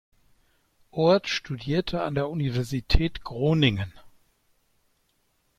Oort studierte an der Universität Groningen.